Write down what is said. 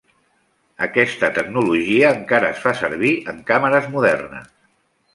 Aquesta tecnologia encara es fa servir en càmeres modernes.